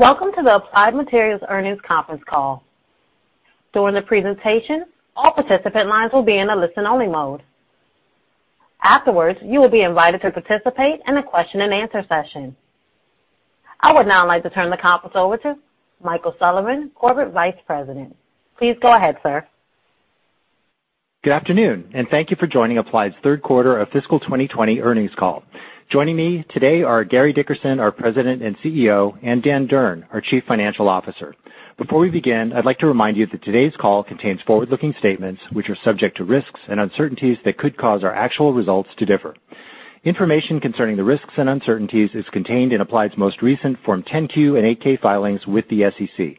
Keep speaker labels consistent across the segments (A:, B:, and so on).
A: Welcome to the Applied Materials earnings conference call. During the presentation, all participant lines will be in a listen-only mode. Afterwards, you will be invited to participate in a question-and-answer session. I would now like to turn the conference over to Michael Sullivan, Corporate Vice President. Please go ahead, sir.
B: Good afternoon, thank you for joining Applied's third quarter of fiscal 2020 earnings call. Joining me today are Gary Dickerson, our President and CEO, Dan Durn, our Chief Financial Officer. Before we begin, I'd like to remind you that today's call contains forward-looking statements, which are subject to risks and uncertainties that could cause our actual results to differ. Information concerning the risks and uncertainties is contained in Applied's most recent Form 10-Q and 8-K filings with the SEC.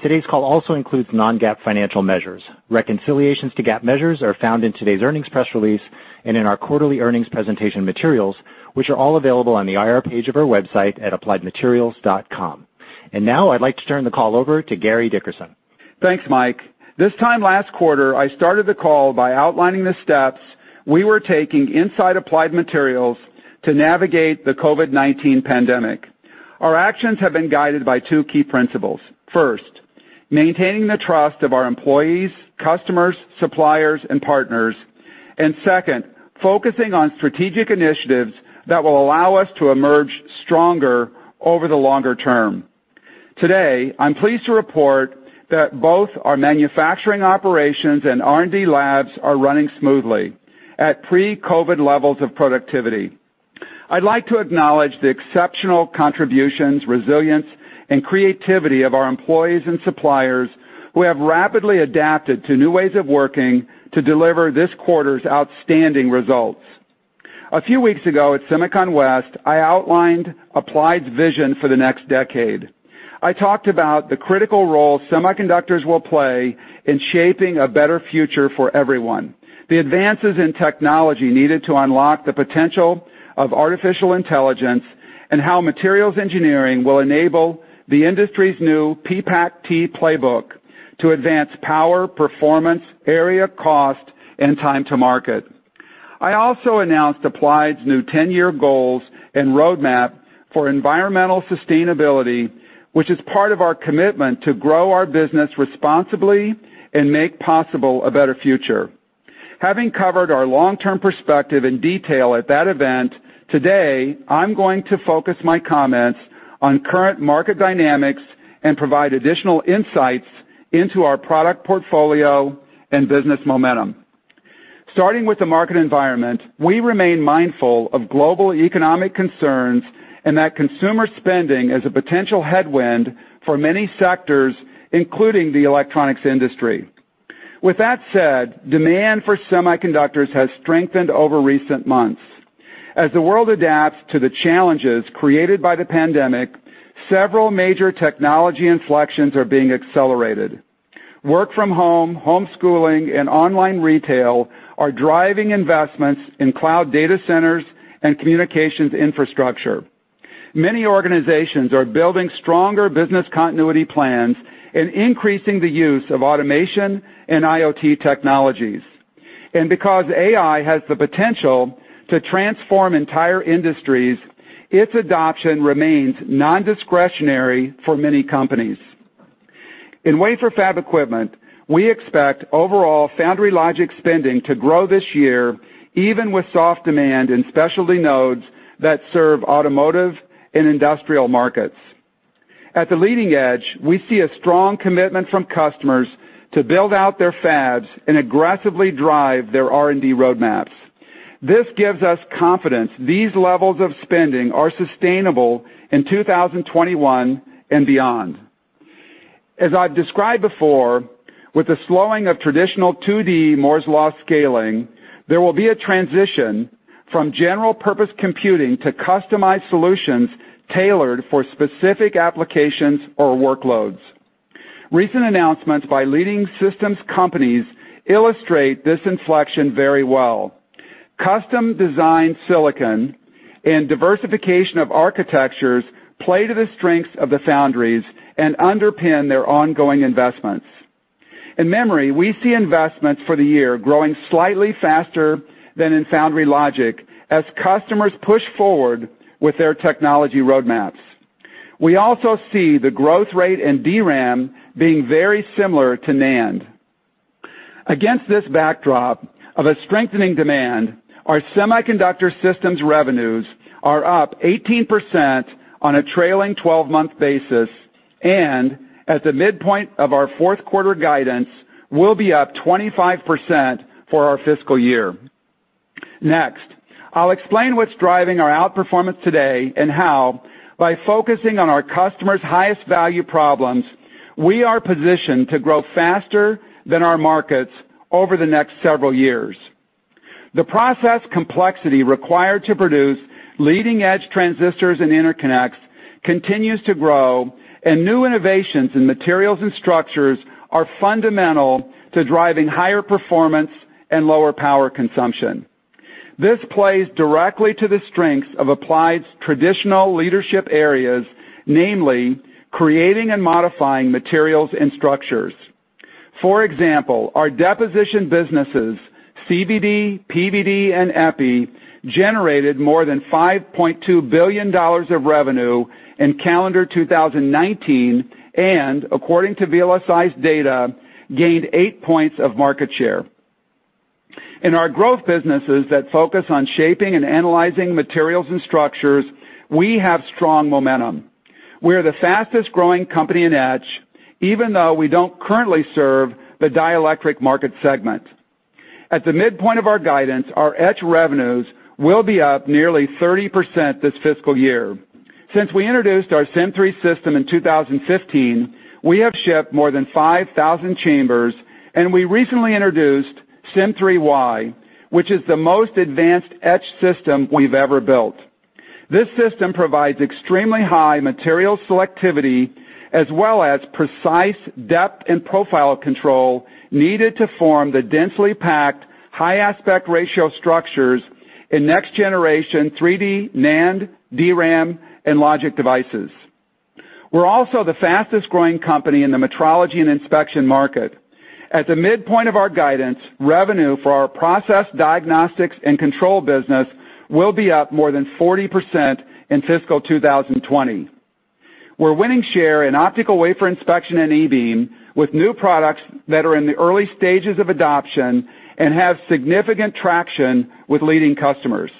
B: Today's call also includes non-GAAP financial measures. Reconciliations to GAAP measures are found in today's earnings press release and in our quarterly earnings presentation materials, which are all available on the IR page of our website at appliedmaterials.com. Now I'd like to turn the call over to Gary Dickerson.
C: Thanks, Mike. This time last quarter, I started the call by outlining the steps we were taking inside Applied Materials to navigate the COVID-19 pandemic. Our actions have been guided by two key principles. First, maintaining the trust of our employees, customers, suppliers, and partners. Second, focusing on strategic initiatives that will allow us to emerge stronger over the longer term. Today, I'm pleased to report that both our manufacturing operations and R&D labs are running smoothly at pre-COVID levels of productivity. I'd like to acknowledge the exceptional contributions, resilience, and creativity of our employees and suppliers who have rapidly adapted to new ways of working to deliver this quarter's outstanding results. A few weeks ago at SEMICON West, I outlined Applied's vision for the next decade. I talked about the critical role semiconductors will play in shaping a better future for everyone, the advances in technology needed to unlock the potential of artificial intelligence, and how materials engineering will enable the industry's new PPACt playbook to advance power, performance, area, cost, and time to market. I also announced Applied's new 10-year goals and roadmap for environmental sustainability, which is part of our commitment to grow our business responsibly and make possible a better future. Having covered our long-term perspective in detail at that event, today, I'm going to focus my comments on current market dynamics and provide additional insights into our product portfolio and business momentum. Starting with the market environment, we remain mindful of global economic concerns and that consumer spending is a potential headwind for many sectors, including the electronics industry. With that said, demand for semiconductors has strengthened over recent months. As the world adapts to the challenges created by the pandemic, several major technology inflections are being accelerated. Work-from-home, homeschooling, and online retail are driving investments in cloud data centers and communications infrastructure. Many organizations are building stronger business continuity plans and increasing the use of automation and IoT technologies. Because AI has the potential to transform entire industries, its adoption remains non-discretionary for many companies. In wafer fab equipment, we expect overall foundry logic spending to grow this year, even with soft demand in specialty nodes that serve automotive and industrial markets. At the leading edge, we see a strong commitment from customers to build out their fabs and aggressively drive their R&D roadmaps. This gives us confidence these levels of spending are sustainable in 2021 and beyond. As I've described before, with the slowing of traditional 2D Moore's Law scaling, there will be a transition from general-purpose computing to customized solutions tailored for specific applications or workloads. Recent announcements by leading systems companies illustrate this inflection very well. Custom-designed silicon and diversification of architectures play to the strengths of the foundries and underpin their ongoing investments. In memory, we see investments for the year growing slightly faster than in foundry logic as customers push forward with their technology roadmaps. We also see the growth rate in DRAM being very similar to NAND. Against this backdrop of a strengthening demand, our semiconductor systems revenues are up 18% on a trailing 12-month basis, and at the midpoint of our fourth quarter guidance, will be up 25% for our fiscal year. Next, I'll explain what's driving our outperformance today and how, by focusing on our customers' highest-value problems, we are positioned to grow faster than our markets over the next several years. The process complexity required to produce leading-edge transistors and interconnects continues to grow, and new innovations in materials and structures are fundamental to driving higher performance and lower power consumption. This plays directly to the strengths of Applied's traditional leadership areas, namely creating and modifying materials and structures. For example, our deposition businesses, CVD, PVD, and Epi, generated more than $5.2 billion of revenue in calendar 2019, and according to VLSI's data, gained eight points of market share. In our growth businesses that focus on shaping and analyzing materials and structures, we have strong momentum. We are the fastest-growing company in etch, even though we don't currently serve the dielectric market segment. At the midpoint of our guidance, our etch revenues will be up 30% this fiscal year. Since we introduced our Sym3 system in 2015, we have shipped more than 5,000 chambers, and we recently introduced Sym3 Y, which is the most advanced etch system we've ever built. This system provides extremely high material selectivity as well as precise depth and profile control needed to form the densely packed, high aspect ratio structures in next-generation 3D NAND, DRAM, and logic devices. We're also the fastest-growing company in the metrology and inspection market. At the midpoint of our guidance, revenue for our Process Diagnostics and Control business will be up 40% in FY 2020. We're winning share in optical wafer inspection and E-beam with new products that are in the early stages of adoption and have significant traction with leading customers.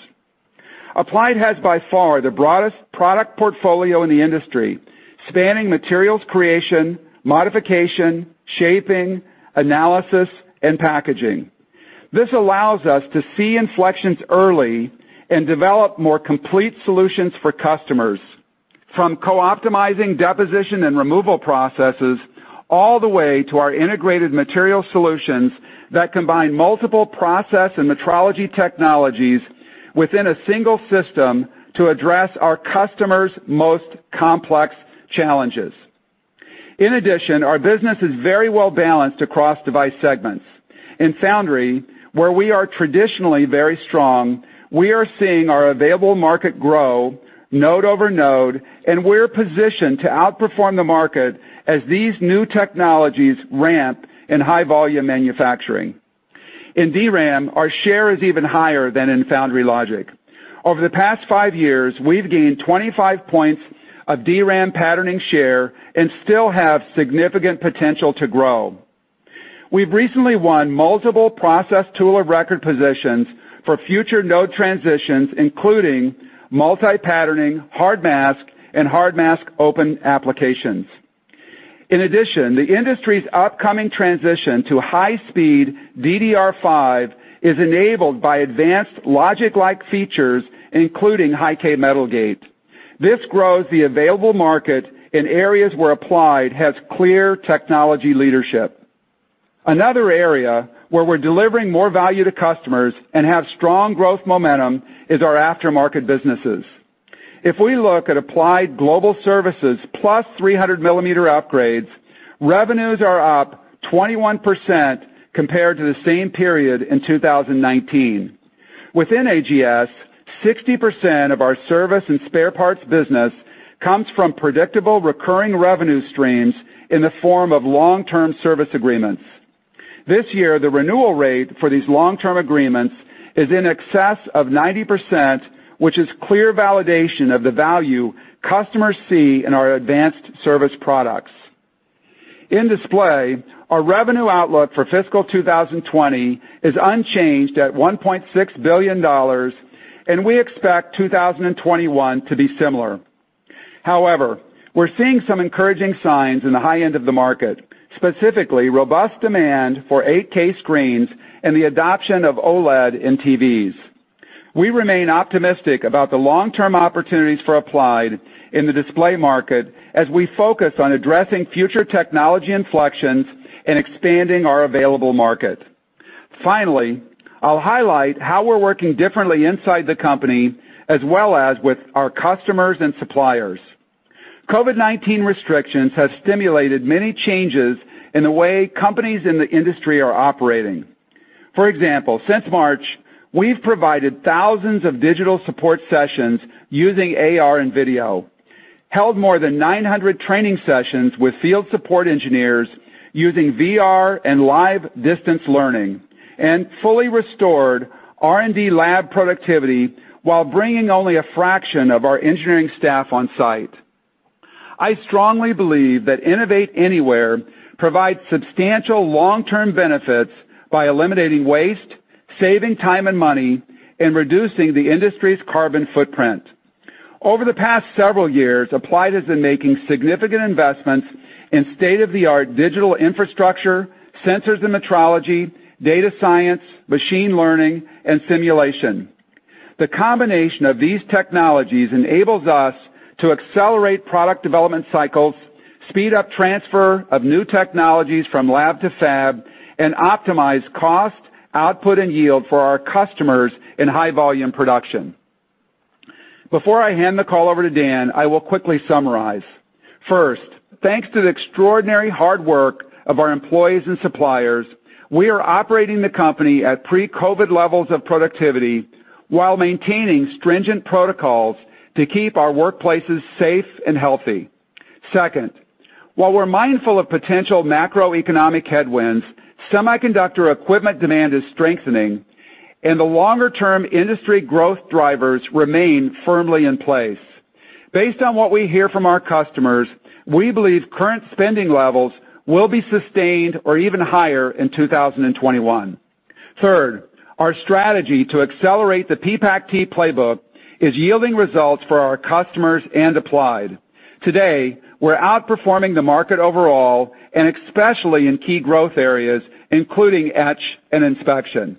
C: Applied has by far the broadest product portfolio in the industry, spanning materials creation, modification, shaping, analysis, and packaging. This allows us to see inflections early and develop more complete solutions for customers, from co-optimizing deposition and removal processes, all the way to our Integrated Materials Solutions that combine multiple process and metrology technologies within a single system to address our customers' most complex challenges. In addition, our business is very well-balanced across device segments. In foundry, where we are traditionally very strong, we are seeing our available market grow node over node, and we're positioned to outperform the market as these new technologies ramp in high-volume manufacturing. In DRAM, our share is even higher than in foundry logic. Over the past five years, we've gained 25 points of DRAM patterning share and still have significant potential to grow. We've recently won multiple process tool of record positions for future node transitions, including multi-patterning, hard mask, and hard mask open applications. The industry's upcoming transition to high-speed DDR5 is enabled by advanced logic-like features, including high-k metal gate. This grows the available market in areas where Applied has clear technology leadership. Another area where we're delivering more value to customers and have strong growth momentum is our aftermarket businesses. If we look at Applied Global Services plus 300 mm upgrades, revenues are up 21% compared to the same period in 2019. Within AGS, 60% of our service and spare parts business comes from predictable recurring revenue streams in the form of long-term service agreements. This year, the renewal rate for these long-term agreements is in excess of 90%, which is clear validation of the value customers see in our advanced service products. In display, our revenue outlook for fiscal 2020 is unchanged at $1.6 billion, and we expect 2021 to be similar. We're seeing some encouraging signs in the high-end of the market, specifically robust demand for 8K screens and the adoption of OLED in TVs. We remain optimistic about the long-term opportunities for Applied in the display market as we focus on addressing future technology inflections and expanding our available market. I'll highlight how we're working differently inside the company as well as with our customers and suppliers. COVID-19 restrictions have stimulated many changes in the way companies in the industry are operating. For example, since March, we've provided thousands of digital support sessions using AR and video, held more than 900 training sessions with field support engineers using VR and live distance learning, and fully restored R&D lab productivity while bringing only a fraction of our engineering staff on-site. I strongly believe that Innovate Anywhere provides substantial long-term benefits by eliminating waste, saving time and money, and reducing the industry's carbon footprint. Over the past several years, Applied has been making significant investments in state-of-the-art digital infrastructure, sensors and metrology, data science, machine learning, and simulation. The combination of these technologies enables us to accelerate product development cycles, speed up transfer of new technologies from lab to fab, and optimize cost, output, and yield for our customers in high-volume production. Before I hand the call over to Dan, I will quickly summarize. First, thanks to the extraordinary hard work of our employees and suppliers. We are operating the company at pre-COVID levels of productivity while maintaining stringent protocols to keep our workplaces safe and healthy. Second, while we're mindful of potential macroeconomic headwinds, semiconductor equipment demand is strengthening, and the longer-term industry growth drivers remain firmly in place. Based on what we hear from our customers, we believe current spending levels will be sustained or even higher in 2021. Third, our strategy to accelerate the PPACt playbook is yielding results for our customers and Applied. Today, we're outperforming the market overall, and especially in key growth areas, including etch and inspection.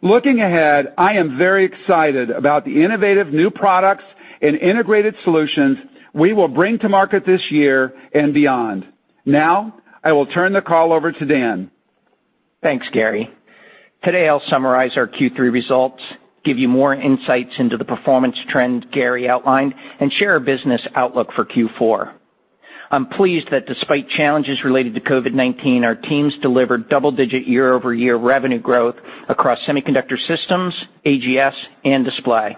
C: Looking ahead, I am very excited about the innovative new products and integrated solutions we will bring to market this year and beyond. Now, I will turn the call over to Dan.
D: Thanks, Gary. Today, I'll summarize our Q3 results, give you more insights into the performance trend Gary outlined, and share our business outlook for Q4. I'm pleased that despite challenges related to COVID-19, our teams delivered double-digit year-over-year revenue growth across semiconductor systems, AGS, and display.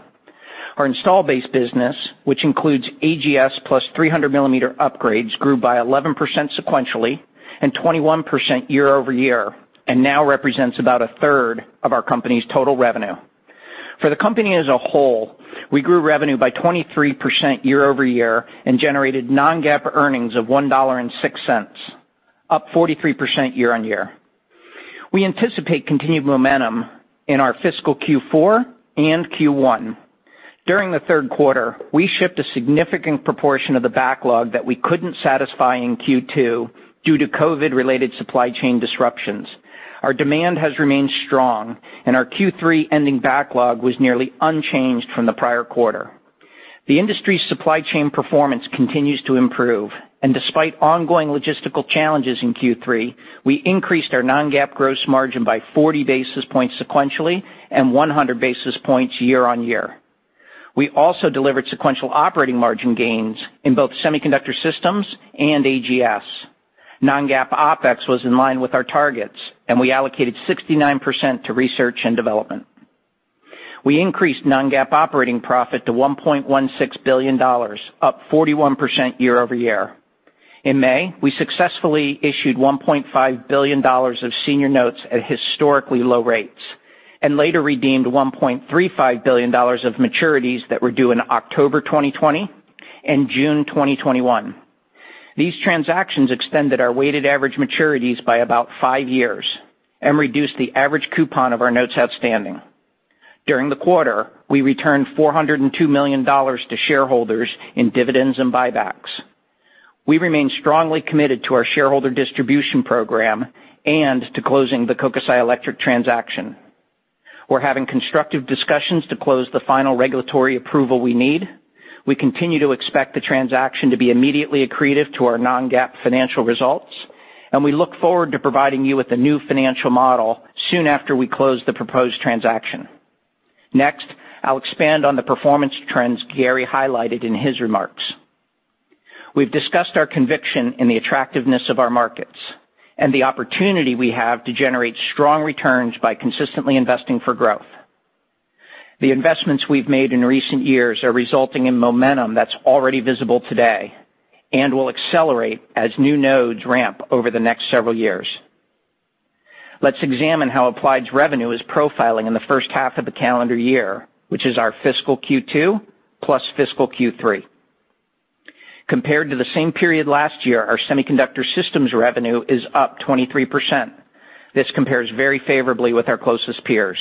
D: Our install base business, which includes AGS plus 300 mm upgrades, grew by 11% sequentially and 21% year-over-year, and now represents about a third of our company's total revenue. For the company as a whole, we grew revenue by 23% year-over-year and generated non-GAAP earnings of $1.06, up 43% year-on-year. We anticipate continued momentum in our fiscal Q4 and Q1. During the third quarter, we shipped a significant proportion of the backlog that we couldn't satisfy in Q2 due to COVID-related supply chain disruptions. Our demand has remained strong, our Q3 ending backlog was nearly unchanged from the prior quarter. The industry supply chain performance continues to improve. Despite ongoing logistical challenges in Q3, we increased our non-GAAP gross margin by 40 basis points sequentially and 100 basis points year-on-year. We also delivered sequential operating margin gains in both semiconductor systems and AGS. Non-GAAP OpEx was in line with our targets. We allocated 69% to research and development. We increased non-GAAP operating profit to $1.16 billion, up 41% year-over-year. In May, we successfully issued $1.5 billion of senior notes at historically low rates. Later redeemed $1.35 billion of maturities that were due in October 2020 and June 2021. These transactions extended our weighted average maturities by about five years. Reduced the average coupon of our notes outstanding. During the quarter, we returned $402 million to shareholders in dividends and buybacks. We remain strongly committed to our shareholder distribution program and to closing the Kokusai Electric transaction. We're having constructive discussions to close the final regulatory approval we need. We continue to expect the transaction to be immediately accretive to our non-GAAP financial results, and we look forward to providing you with a new financial model soon after we close the proposed transaction. Next, I'll expand on the performance trends Gary highlighted in his remarks. We've discussed our conviction in the attractiveness of our markets and the opportunity we have to generate strong returns by consistently investing for growth. The investments we've made in recent years are resulting in momentum that's already visible today and will accelerate as new nodes ramp over the next several years. Let's examine how Applied's revenue is profiling in the first half of the calendar year, which is our fiscal Q2 plus fiscal Q3. Compared to the same period last year, our semiconductor systems revenue is up 23%. This compares very favorably with our closest peers.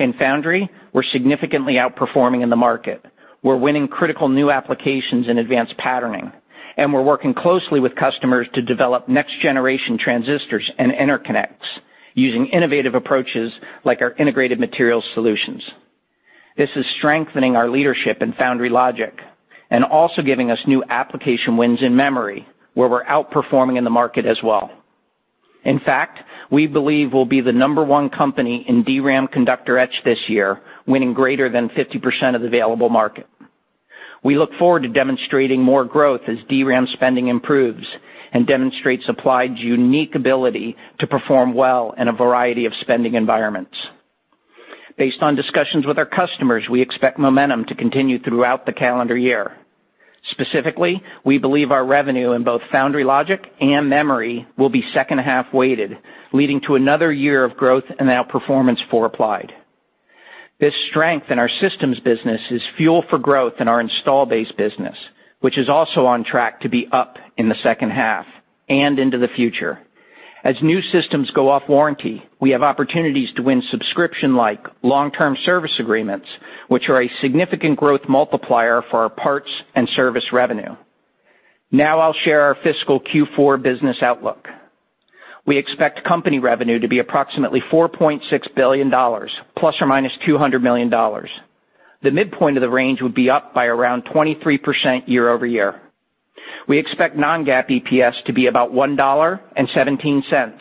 D: In foundry, we're significantly outperforming in the market. We're winning critical new applications in advanced patterning, and we're working closely with customers to develop next-generation transistors and interconnects using innovative approaches like our Integrated Materials Solution. This is strengthening our leadership in foundry logic and also giving us new application wins in memory, where we're outperforming in the market as well. In fact, we believe we'll be the number one company in DRAM conductor etch this year, winning greater than 50% of the available market. We look forward to demonstrating more growth as DRAM spending improves and demonstrates Applied's unique ability to perform well in a variety of spending environments. Based on discussions with our customers, we expect momentum to continue throughout the calendar year. Specifically, we believe our revenue in both foundry logic and memory will be second half weighted, leading to another year of growth and outperformance for Applied. This strength in our systems business is fuel for growth in the install base business, which is also on track to be up in the second half and into the future. As new systems go off warranty, we have opportunities to win subscription-like long-term service agreements, which are a significant growth multiplier for our parts and service revenue. I'll share our fiscal Q4 business outlook. We expect company revenue to be approximately $4.6 billion, ± $200 million. The midpoint of the range would be up by around 23% year-over-year. We expect non-GAAP EPS to be about $1.17, ±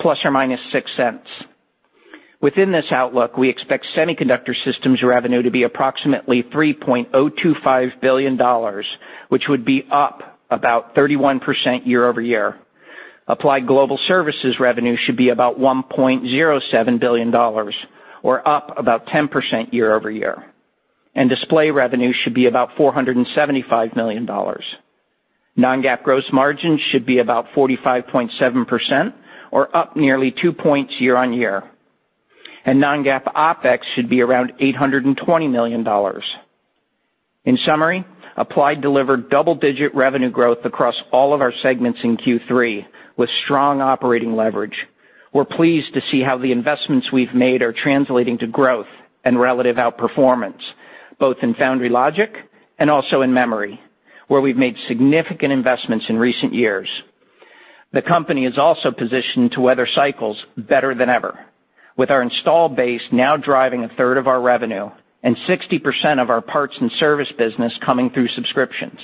D: $0.06. Within this outlook, we expect semiconductor systems revenue to be approximately $3.025 billion, which would be up about 31% year-over-year. Applied Global Services revenue should be about $1.07 billion, or up about 10% year-over-year. Display revenue should be about $475 million. Non-GAAP gross margins should be about 45.7%, or up nearly 2 points year-on-year. Non-GAAP OpEx should be around $820 million. In summary, Applied delivered double-digit revenue growth across all of our segments in Q3, with strong operating leverage. We're pleased to see how the investments we've made are translating to growth and relative outperformance, both in foundry logic and also in memory, where we've made significant investments in recent years. The company is also positioned to weather cycles better than ever, with our install base now driving a third of our revenue and 60% of our parts and service business coming through subscriptions.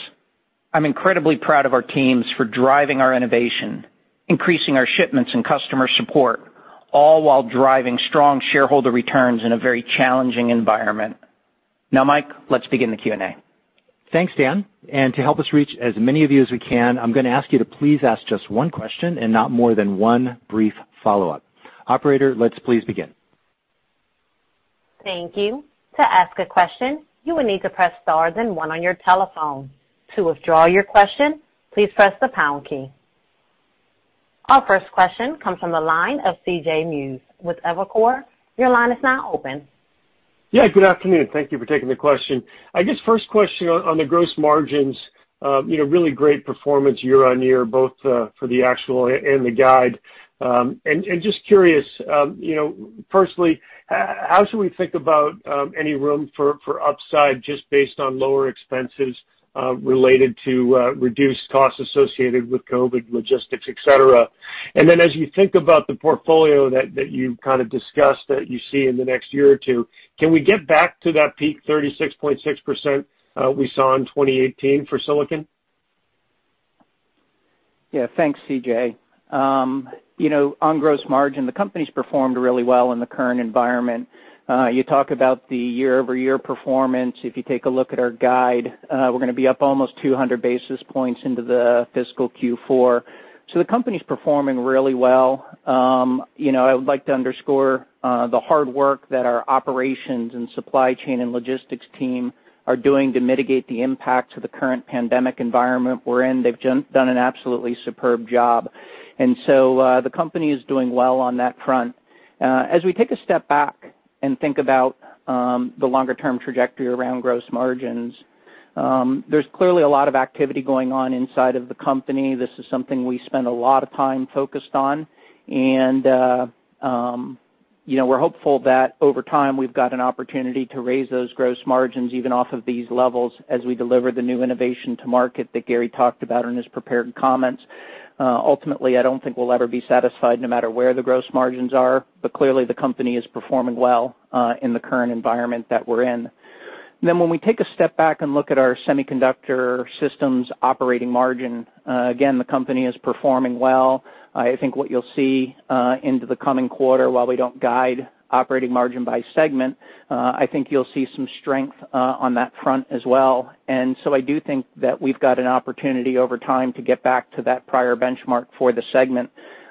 D: I'm incredibly proud of our teams for driving our innovation, increasing our shipments and customer support, all while driving strong shareholder returns in a very challenging environment. Mike, let's begin the Q&A.
B: Thanks, Dan. To help us reach as many of you as we can, I'm going to ask you to please ask just one question and not more than one brief follow-up. Operator, let's please begin.
A: Thank you. To ask a question you will need to press star then one on your telephone. To withdraw your question please press the pound key. Our first question comes from the line of C.J. Muse with Evercore. Your line is now open.
E: Yeah, good afternoon. Thank you for taking the question. I guess first question on the gross margins. Really great performance year on year, both for the actual and the guide. Just curious, firstly, how should we think about any room for upside just based on lower expenses related to reduced costs associated with COVID logistics, et cetera? Then as you think about the portfolio that you kind of discussed that you see in the next year or two, can we get back to that peak 36.6% we saw in 2018 for silicon?
D: Yeah. Thanks, C.J. On gross margin, the company's performed really well in the current environment. You talk about the year-over-year performance. If you take a look at our guide, we're going to be up almost 200 basis points into the fiscal Q4. The company's performing really well. I would like to underscore the hard work that our operations and supply chain and logistics team are doing to mitigate the impact of the current pandemic environment we're in. They've done an absolutely superb job. The company is doing well on that front. As we take a step back and think about the longer-term trajectory around gross margins, there's clearly a lot of activity going on inside of the company. This is something we spend a lot of time focused on, we're hopeful that over time, we've got an opportunity to raise those gross margins even off of these levels as we deliver the new innovation to market that Gary talked about in his prepared comments. Ultimately, I don't think we'll ever be satisfied, no matter where the gross margins are. Clearly, the company is performing well in the current environment that we're in. When we take a step back and look at our semiconductor systems operating margin, again, the company is performing well. I do think that we've got an opportunity over time to get back to that prior benchmark for the segment.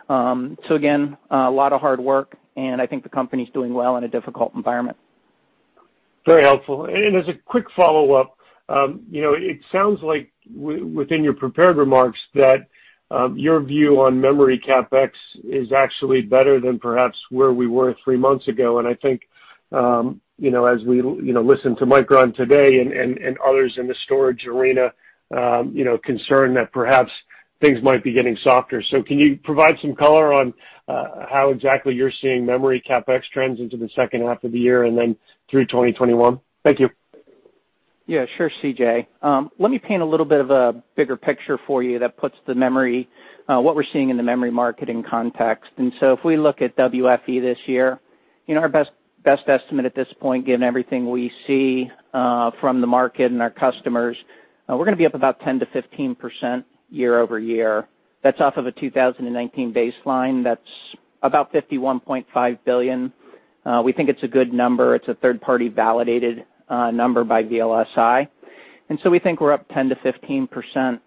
D: Again, a lot of hard work, and I think the company's doing well in a difficult environment.
E: Very helpful. As a quick follow-up, it sounds like within your prepared remarks that your view on memory CapEx is actually better than perhaps where we were three months ago, and I think as we listen to Micron today and others in the storage arena, concern that perhaps things might be getting softer. Can you provide some color on how exactly you're seeing memory CapEx trends into the second half of the year and then through 2021? Thank you.
D: Sure, C.J. Let me paint a little bit of a bigger picture for you that puts what we're seeing in the memory market in context. If we look at WFE this year, our best estimate at this point, given everything we see from the market and our customers, we're going to be up about 10%-15% year-over-year. That's off of a 2019 baseline. That's about $51.5 billion. We think it's a good number. It's a third-party validated number by VLSI. We think we're up 10%-15%.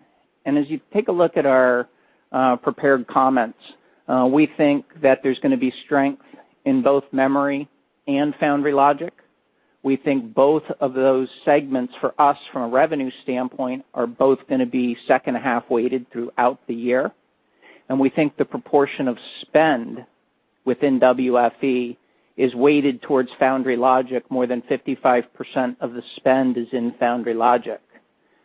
D: As you take a look at our prepared comments, we think that there's going to be strength in both memory and foundry logic. We think both of those segments for us from a revenue standpoint are both going to be second half weighted throughout the year, and we think the proportion of spend within WFE is weighted towards foundry logic. More than 55% of the spend is in foundry logic.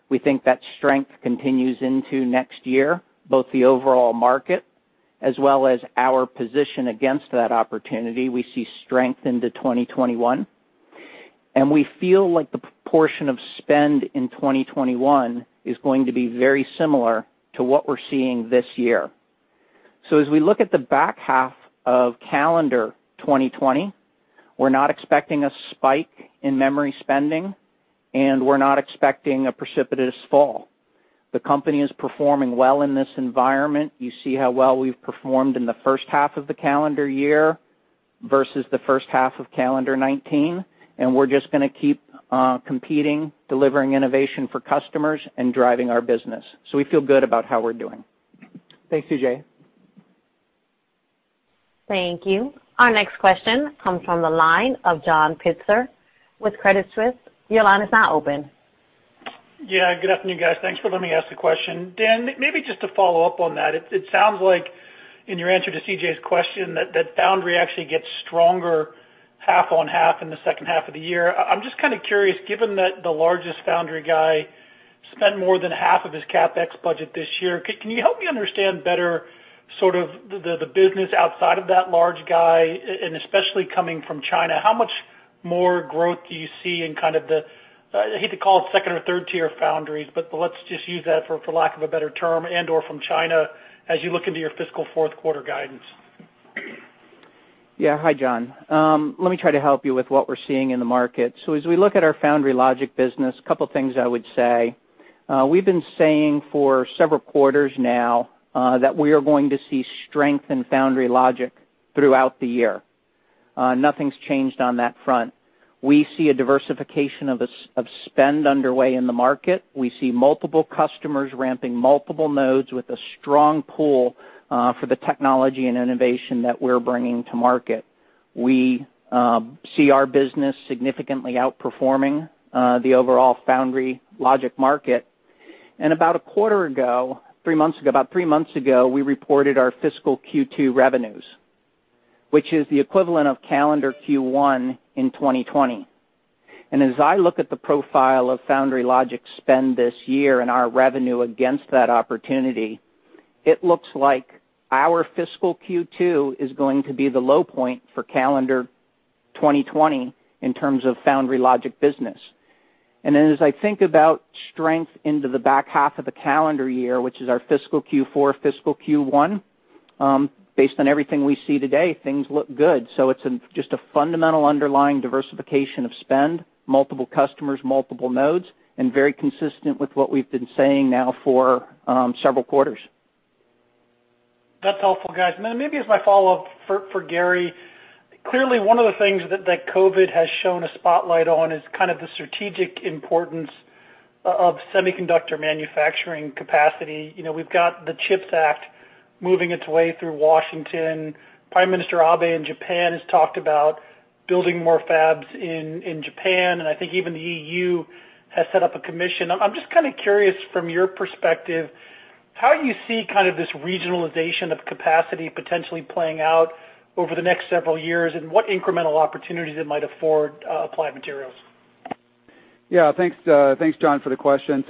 D: We think that strength continues into next year, both the overall market as well as our position against that opportunity. We see strength into 2021, and we feel like the proportion of spend in 2021 is going to be very similar to what we're seeing this year. As we look at the back half of calendar 2020, we're not expecting a spike in memory spending, and we're not expecting a precipitous fall. The company is performing well in this environment. You see how well we've performed in the first half of the calendar year versus the first half of calendar 2019. We're just going to keep competing, delivering innovation for customers, and driving our business. We feel good about how we're doing.
B: Thanks, C.J.
A: Thank you. Our next question comes from the line of John Pitzer with Credit Suisse. Your line is now open.
F: Yeah, good afternoon, guys. Thanks for letting me ask the question. Dan, maybe just to follow-up on that, it sounds like in your answer to C.J.'s question that foundry actually gets stronger half on half in the second half of the year. I'm just kind of curious, given that the largest foundry guy spent more than half of his CapEx budget this year, can you help me understand better sort of the business outside of that large guy, and especially coming from China, how much more growth do you see in kind of the, I hate to call it second or third-tier foundries, but let's just use that for lack of a better term, and/or from China as you look into your fiscal fourth quarter guidance?
D: Hi, John. Let me try to help you with what we're seeing in the market. As we look at our foundry logic business, a couple of things I would say. We've been saying for several quarters now, that we are going to see strength in foundry logic throughout the year. Nothing's changed on that front. We see a diversification of spend underway in the market. We see multiple customers ramping multiple nodes with a strong pull for the technology and innovation that we're bringing to market. We see our business significantly outperforming the overall foundry logic market. About a quarter ago, about three months ago, we reported our fiscal Q2 revenues, which is the equivalent of calendar Q1 in 2020. As I look at the profile of foundry logic spend this year and our revenue against that opportunity, it looks like our fiscal Q2 is going to be the low point for calendar 2020 in terms of foundry logic business. Then as I think about strength into the back half of the calendar year, which is our fiscal Q4, fiscal Q1, based on everything we see today, things look good. It's just a fundamental underlying diversification of spend, multiple customers, multiple nodes, and very consistent with what we've been saying now for several quarters.
F: That's helpful, guys. Then maybe as my follow-up for Gary, clearly one of the things that COVID has shone a spotlight on is kind of the strategic importance of semiconductor manufacturing capacity. We've got the CHIPS Act moving its way through Washington. Prime Minister Abe in Japan has talked about building more fabs in Japan, and I think even the EU has set up a commission. I'm just kind of curious from your perspective, how you see kind of this regionalization of capacity potentially playing out over the next several years, and what incremental opportunities it might afford Applied Materials.
C: Thanks, John, for the question.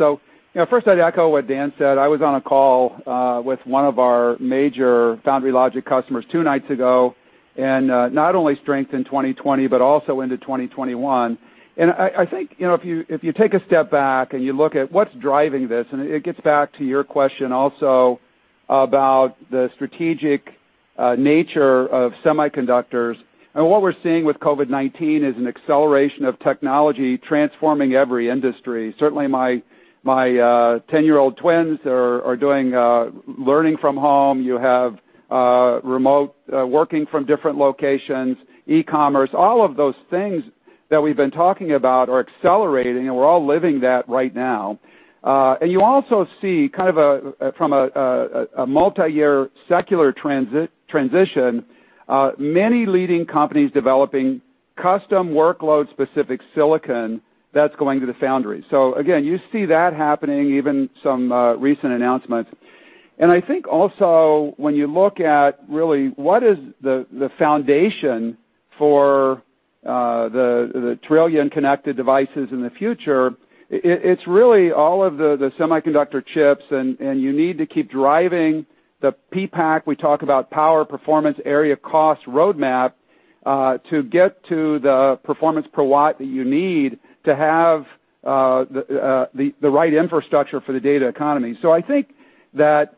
C: First, I'd echo what Dan said. I was on a call with one of our major foundry logic customers two nights ago, and not only strength in 2020, but also into 2021. I think, if you take a step back and you look at what's driving this, and it gets back to your question also about the strategic nature of semiconductors, and what we're seeing with COVID-19 is an acceleration of technology transforming every industry. Certainly, my 10-year-old twins are learning from home. You have remote working from different locations, e-commerce, all of those things that we've been talking about are accelerating, and we're all living that right now. You also see kind of from a multi-year secular transition, many leading companies developing custom workload-specific silicon that's going to the foundry. Again, you see that happening, even some recent announcements. I think also when you look at really what is the foundation for the trillion connected devices in the future, it's really all of the semiconductor chips, and you need to keep driving the PPAC, we talk about power, performance, area, cost roadmap, to get to the performance per watt that you need to have the right infrastructure for the data economy. I think that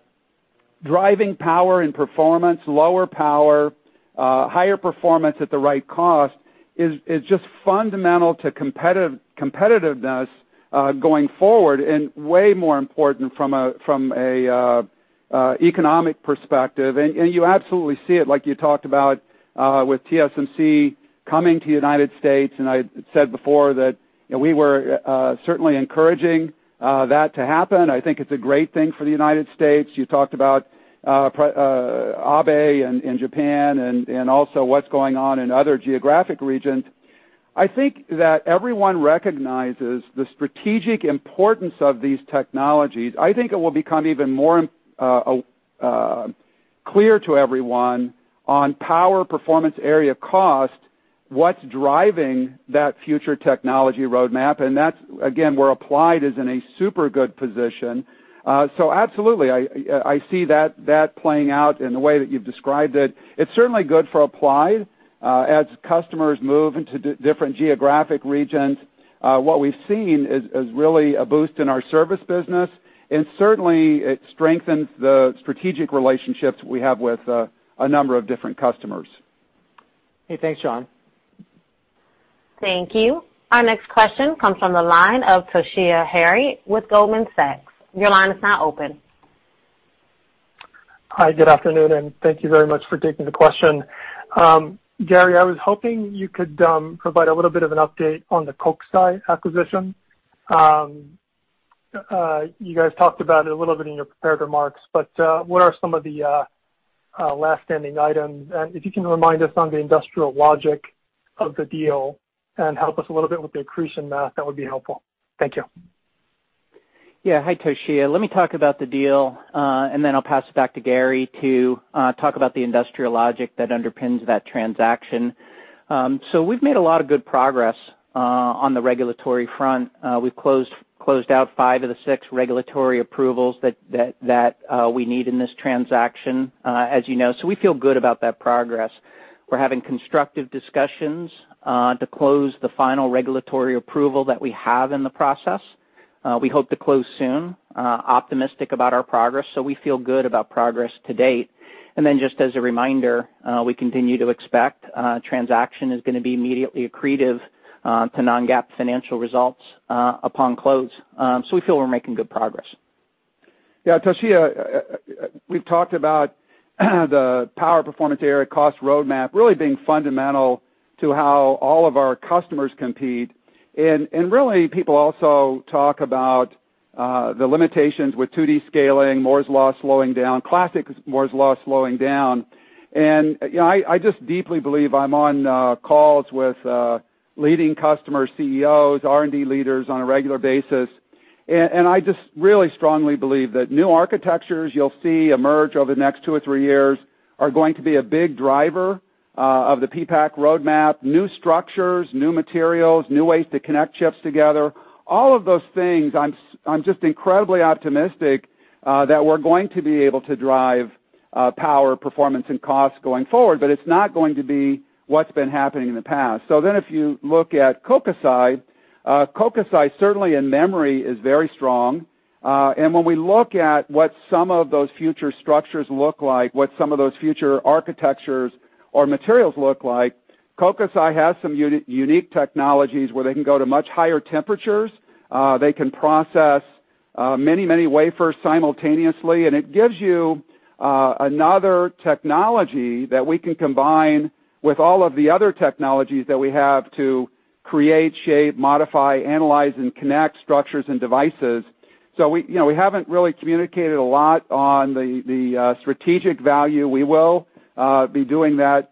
C: driving power and performance, lower power, higher performance at the right cost is just fundamental to competitiveness, going forward and way more important from an economic perspective. You absolutely see it like you talked about, with TSMC coming to United States, and I said before that we were certainly encouraging that to happen. I think it's a great thing for the United States. You talked about Abe in Japan and also what's going on in other geographic regions. I think that everyone recognizes the strategic importance of these technologies. I think it will become even more clear to everyone on power, performance, area, cost, what's driving that future technology roadmap, and that's, again, where Applied is in a super good position. Absolutely, I see that playing out in the way that you've described it. It's certainly good for Applied, as customers move into different geographic regions, what we've seen is really a boost in our service business, certainly it strengthens the strategic relationships we have with a number of different customers.
B: Hey, thanks, John.
A: Thank you. Our next question comes from the line of Toshiya Hari with Goldman Sachs.
G: Hi, good afternoon. Thank you very much for taking the question. Gary, I was hoping you could provide a little bit of an update on the Kokusai acquisition. You guys talked about it a little bit in your prepared remarks. What are some of the last standing items? If you can remind us on the industrial logic of the deal and help us a little bit with the accretion math, that would be helpful. Thank you.
D: Yeah. Hi, Toshiya. Let me talk about the deal, and then I'll pass it back to Gary to talk about the industrial logic that underpins that transaction. We've made a lot of good progress on the regulatory front. We've closed out five of the six regulatory approvals that we need in this transaction, as you know. We feel good about that progress. We're having constructive discussions, to close the final regulatory approval that we have in the process. We hope to close soon, optimistic about our progress, so we feel good about progress to date. Just as a reminder, we continue to expect transaction is going to be immediately accretive to non-GAAP financial results upon close. We feel we're making good progress.
C: Toshiya, we've talked about the power, performance, cost roadmap really being fundamental to how all of our customers compete. Really, people also talk about the limitations with 2D scaling, Moore's Law slowing down, classic Moore's Law slowing down. I just deeply believe I'm on calls with leading customer CEOs, R&D leaders on a regular basis, and I just really strongly believe that new architectures you'll see emerge over the next two or three years are going to be a big driver of the PPAC roadmap. New structures, new materials, new ways to connect chips together, all of those things, I'm just incredibly optimistic that we're going to be able to drive power, performance, and cost going forward, but it's not going to be what's been happening in the past. If you look at Kokusai, certainly in memory, is very strong. When we look at what some of those future structures look like, what some of those future architectures or materials look like, Kokusai has some unique technologies where they can go to much higher temperatures. They can process many wafers simultaneously. It gives you another technology that we can combine with all of the other technologies that we have to create, shape, modify, analyze, and connect structures and devices. We haven't really communicated a lot on the strategic value. We will be doing that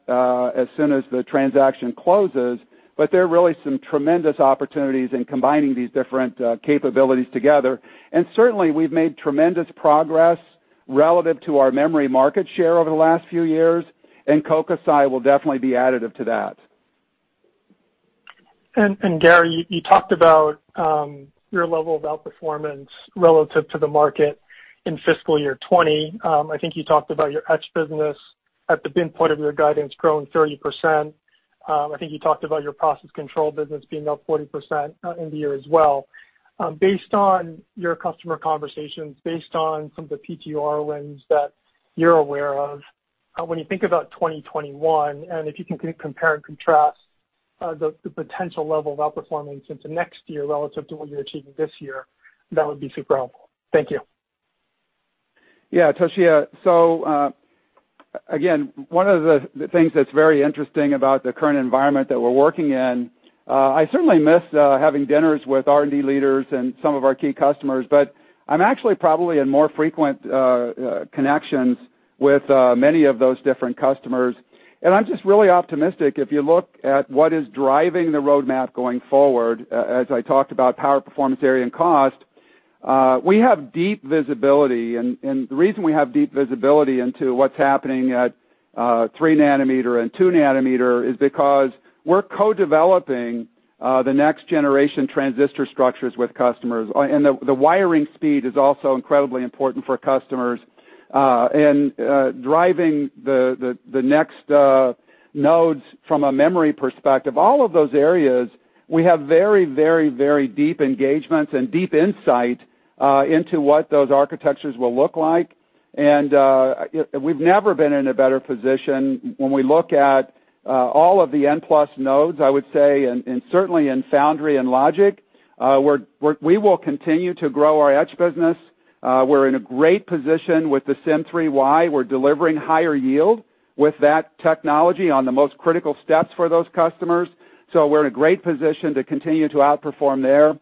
C: as soon as the transaction closes. There are really some tremendous opportunities in combining these different capabilities together. Certainly, we've made tremendous progress relative to our memory market share over the last few years, and Kokusai will definitely be additive to that.
G: Gary, you talked about your level of outperformance relative to the market in fiscal year 2020. I think you talked about your etch business at the midpoint of your guidance growing 30%. I think you talked about your process control business being up 40% in the year as well. Based on your customer conversations, based on some of the POR wins that you're aware of, when you think about 2021, if you can compare and contrast the potential level of outperformance into next year relative to what you're achieving this year, that would be super helpful. Thank you.
C: Yeah, Toshiya. Again, one of the things that's very interesting about the current environment that we're working in, I certainly miss having dinners with R&D leaders and some of our key customers, but I'm actually probably in more frequent connections with many of those different customers, and I'm just really optimistic. If you look at what is driving the roadmap going forward, as I talked about power, performance, area, and cost, we have deep visibility. The reason we have deep visibility into what's happening at three nanometer and two nanometer is because we're co-developing the next generation transistor structures with customers. The wiring speed is also incredibly important for customers. Driving the next nodes from a memory perspective, all of those areas, we have very deep engagements and deep insight into what those architectures will look like. We've never been in a better position when we look at all of the N+ nodes, I would say, and certainly in foundry and logic, we will continue to grow our etch business. We're in a great position with the Sym3 Y. We're delivering higher yield with that technology on the most critical steps for those customers. We're in a great position to continue to outperform there.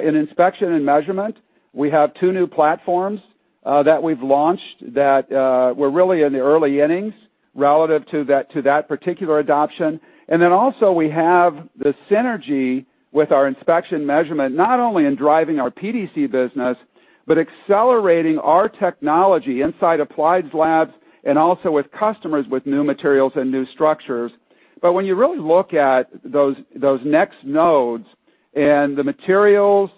C: In inspection and measurement, we have two new platforms that we've launched that we're really in the early innings relative to that particular adoption. Also, we have the synergy with our inspection measurement, not only in driving our PDC business, but accelerating our technology inside Applied's labs and also with customers with new materials and new structures. When you really look at those next nodes and the materials,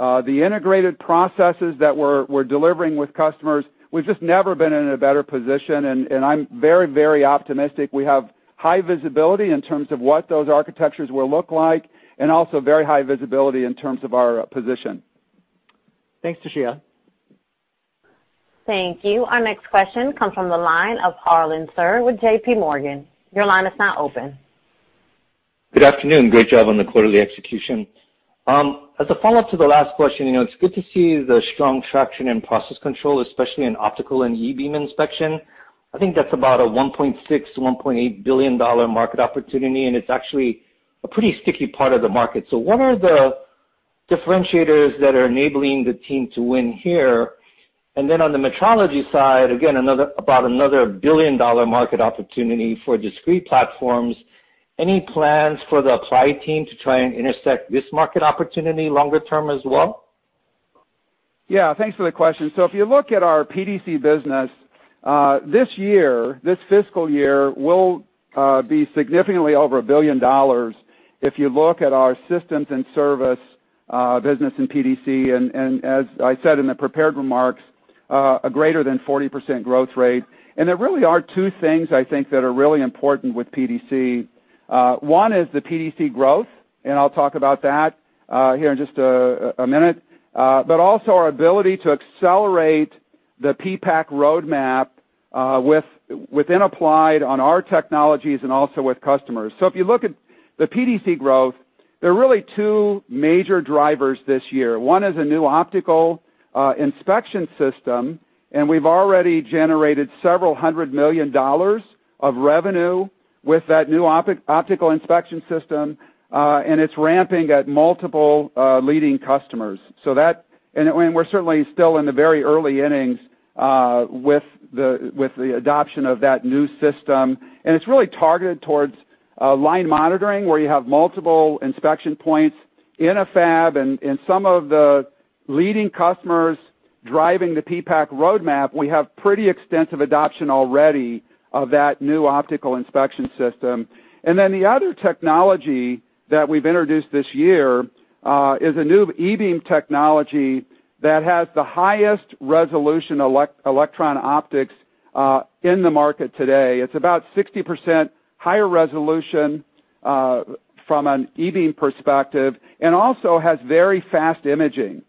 C: the integrated processes that we're delivering with customers, we've just never been in a better position, and I'm very optimistic. We have high visibility in terms of what those architectures will look like, and also very high visibility in terms of our position.
B: Thanks, Toshiya.
A: Thank you. Our next question comes from the line of Harlan Sur with JPMorgan. Your line is now open.
H: Good afternoon. Great job on the quarterly execution. As a follow-up to the last question, it's good to see the strong traction in process control, especially in optical and E-beam inspection. I think that's about a $1.6 billion-$1.8 billion market opportunity, and it's actually a pretty sticky part of the market. What are the differentiators that are enabling the team to win here? Then on the metrology side, again, about another billion-dollar market opportunity for discrete platforms, any plans for the Applied team to try and intersect this market opportunity longer term as well?
C: Yeah, thanks for the question. If you look at our PDC business this year, this fiscal year will be significantly over $1 billion if you look at our systems and service business in PDC, and as I said in the prepared remarks, a greater than 40% growth rate. There really are two things I think that are really important with PDC. One is the PDC growth, and I'll talk about that here in just a minute, but also our ability to accelerate the PPAC roadmap within Applied on our technologies and also with customers. If you look at the PDC growth, there are really two major drivers this year. One is a new optical inspection system, and we've already generated several hundred million dollars of revenue with that new optical inspection system, and it's ramping at multiple leading customers. We're certainly still in the very early innings with the adoption of that new system. It's really targeted towards line monitoring, where you have multiple inspection points in a fab. Some of the leading customers driving the PPAC roadmap, we have pretty extensive adoption already of that new optical inspection system. The other technology that we've introduced this year, is a new E-beam technology that has the highest resolution electron optics in the market today. It's about 60% higher resolution, from an E-beam perspective, and also has very fast imaging.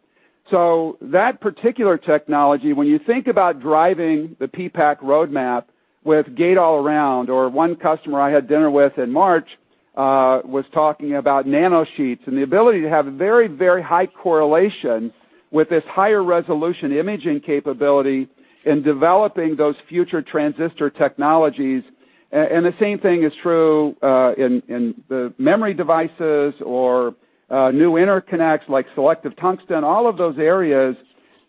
C: That particular technology, when you think about driving the PPAC roadmap with gate-all-around or one customer I had dinner with in March, was talking about nanosheets and the ability to have very high correlation with this higher resolution imaging capability in developing those future transistor technologies. The same thing is true, in the memory devices or new interconnects like selective tungsten. All of those areas,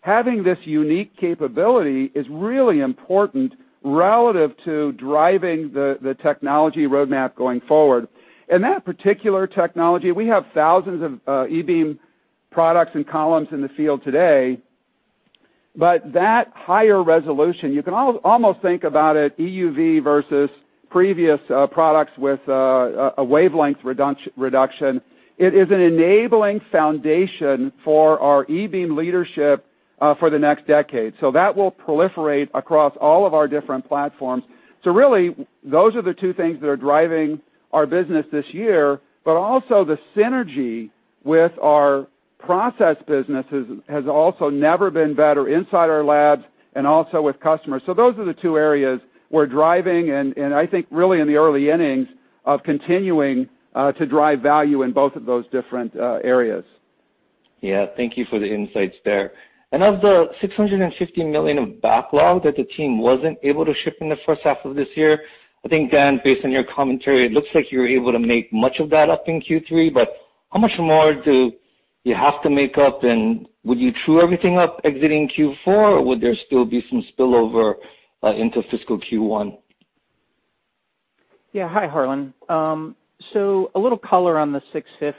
C: having this unique capability is really important relative to driving the technology roadmap going forward. That particular technology, we have thousands of E-beam products and columns in the field today. That higher resolution, you can almost think about it EUV versus previous products with a wavelength reduction. It is an enabling foundation for our E-beam leadership for the next decade. That will proliferate across all of our different platforms. Really, those are the two things that are driving our business this year, but also the synergy with our process businesses has also never been better inside our labs and also with customers. Those are the two areas we're driving, and I think really in the early innings of continuing to drive value in both of those different areas.
H: Yeah, thank you for the insights there. Of the $650 million of backlog that the team wasn't able to ship in the first half of this year, I think, Dan, based on your commentary, it looks like you're able to make much of that up in Q3, but how much more do you have to make up, and would you true everything up exiting Q4, or would there still be some spillover into fiscal Q1?
D: Hi, Harlan. A little color on the $650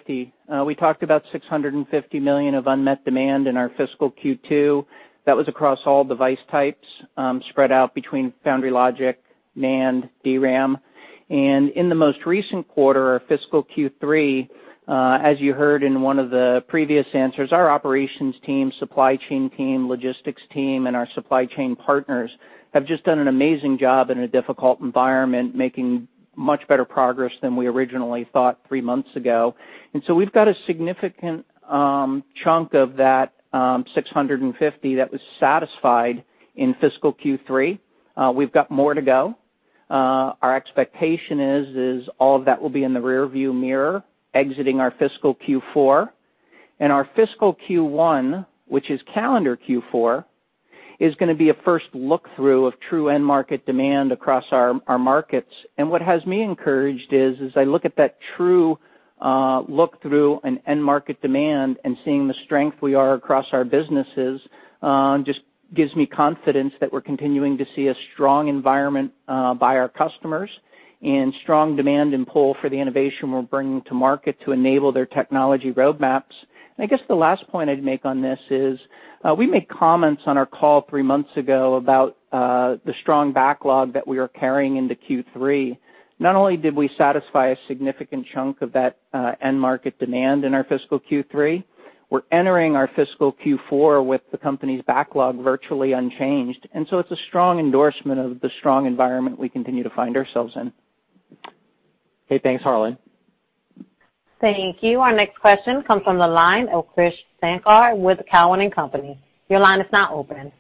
D: million. We talked about $650 million of unmet demand in our fiscal Q2. That was across all device types, spread out between foundry logic, NAND, DRAM. In the most recent quarter, our fiscal Q3, as you heard in one of the previous answers, our operations team, supply chain team, logistics team, and our supply chain partners have just done an amazing job in a difficult environment, making much better progress than we originally thought three months ago. We've got a significant chunk of that $650 million that was satisfied in fiscal Q3. We've got more to go. Our expectation is all of that will be in the rearview mirror exiting our fiscal Q4. Our fiscal Q1, which is calendar Q4, is going to be a first look-through of true end-market demand across our markets. What has me encouraged is as I look at that true look-through and end-market demand and seeing the strength we are across our businesses, just gives me confidence that we're continuing to see a strong environment by our customers and strong demand and pull for the innovation we're bringing to market to enable their technology roadmaps. I guess the last point I'd make on this is, we made comments on our call three months ago about the strong backlog that we were carrying into Q3. Not only did we satisfy a significant chunk of that end-market demand in our fiscal Q3, we're entering our fiscal Q4 with the company's backlog virtually unchanged. It's a strong endorsement of the strong environment we continue to find ourselves in.
B: Hey, thanks, Harlan.
A: Thank you. Our next question comes from the line of Krish Sankar with Cowen and Company. Your line is now open.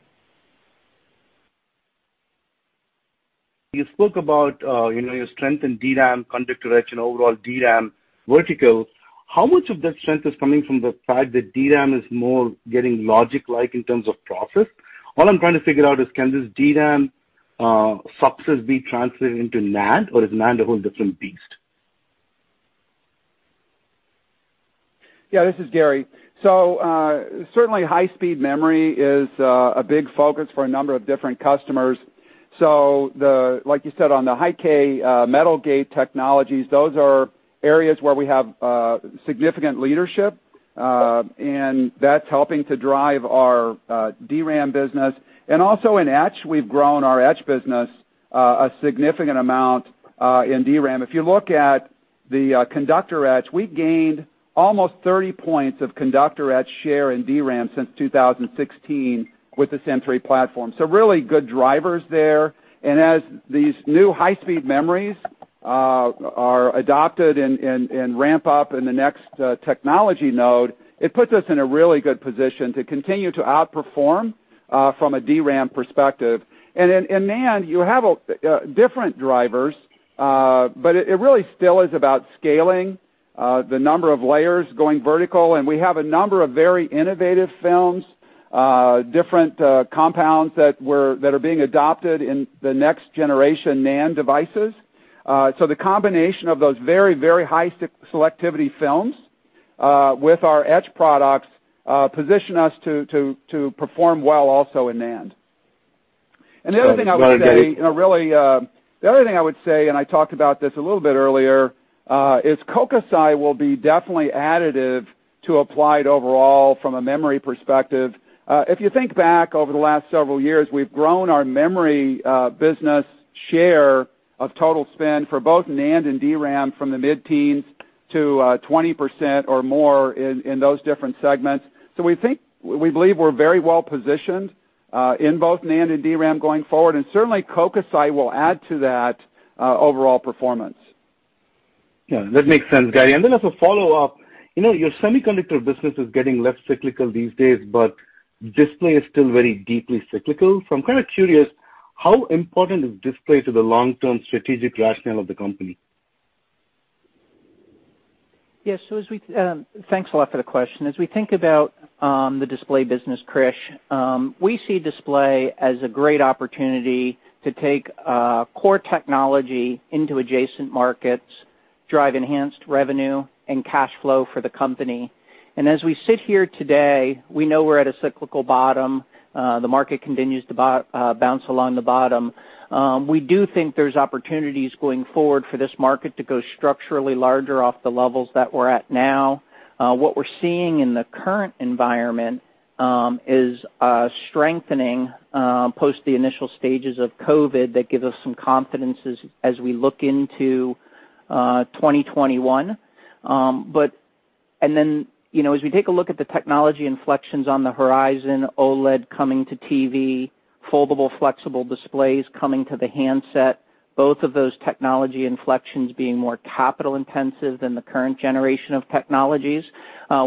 I: You spoke about your strength in DRAM conductor etch and overall DRAM vertical. How much of that strength is coming from the fact that DRAM is more getting logic-like in terms of process? All I'm trying to figure out is, can this DRAM success be translated into NAND, or is NAND a whole different beast?
C: Yeah, this is Gary. Certainly, high-speed memory is a big focus for a number of different customers. Like you said, on the high-k metal gate technologies, those are areas where we have significant leadership, and that's helping to drive our DRAM business. Also in etch, we've grown our etch business a significant amount in DRAM. If you look at the conductor etch, we gained almost 30 points of conductor etch share in DRAM since 2016 with the Sym3 platform. Really good drivers there. As these new high-speed memories are adopted and ramp up in the next technology node, it puts us in a really good position to continue to outperform from a DRAM perspective. In NAND, you have different drivers, but it really still is about scaling the number of layers going vertical. We have a number of very innovative films, different compounds that are being adopted in the next generation NAND devices. The combination of those very high selectivity films with our etch products position us to perform well also in NAND.
I: Got it, Gary.
C: I talked about this a little bit earlier, Kokusai will be definitely additive to Applied overall from a memory perspective. If you think back over the last several years, we've grown our memory business share of total spend for both NAND and DRAM from the mid-teens to 20% or more in those different segments. We believe we're very well-positioned in both NAND and DRAM going forward, and certainly Kokusai will add to that overall performance.
I: Yeah, that makes sense, Gary. As a follow-up, your semiconductor business is getting less cyclical these days. Display is still very deeply cyclical. I'm kind of curious, how important is display to the long-term strategic rationale of the company?
D: Yeah. Thanks a lot for the question. As we think about the display business, Krish, we see display as a great opportunity to take core technology into adjacent markets, drive enhanced revenue and cash flow for the company. As we sit here today, we know we're at a cyclical bottom. The market continues to bounce along the bottom. We do think there's opportunities going forward for this market to go structurally larger off the levels that we're at now. What we're seeing in the current environment is a strengthening post the initial stages of COVID that gives us some confidence as we look into 2021. As we take a look at the technology inflections on the horizon, OLED coming to TV, foldable flexible displays coming to the handset, both of those technology inflections being more capital-intensive than the current generation of technologies.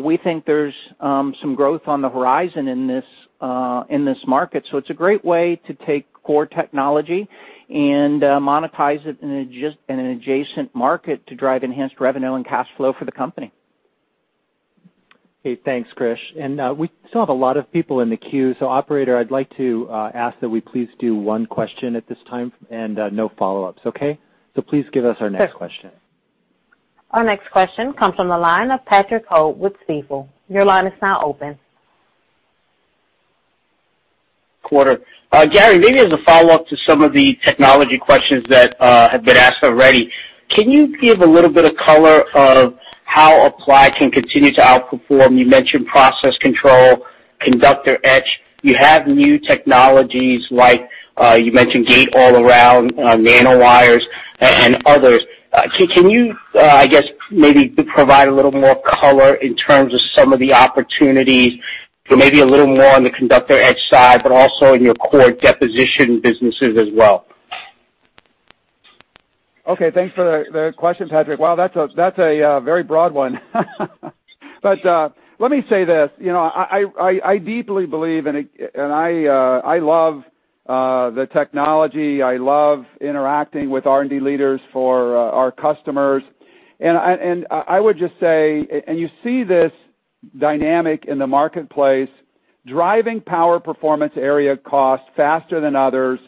D: We think there's some growth on the horizon in this market. It's a great way to take core technology and monetize it in an adjacent market to drive enhanced revenue and cash flow for the company.
B: Okay, thanks, Krish. We still have a lot of people in the queue. Operator, I'd like to ask that we please do one question at this time and no follow-ups, okay? Please give us our next question.
A: Our next question comes from the line of Patrick Ho with Stifel. Your line is now open.
J: Quarter. Gary, maybe as a follow-up to some of the technology questions that have been asked already, can you give a little bit of color of how Applied can continue to outperform? You mentioned process control, conductor etch. You have new technologies like you mentioned gate-all-around, nanowires, and others. Can you, I guess, maybe provide a little more color in terms of some of the opportunities for maybe a little more on the conductor etch side, but also in your core deposition businesses as well?
C: Okay. Thanks for the question, Patrick. Wow, that's a very broad one. Let me say this, I deeply believe in it, and I love the technology. I love interacting with R&D leaders for our customers. I would just say, and you see this dynamic in the marketplace, driving power performance area cost faster than others,